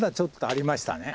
ありましたね。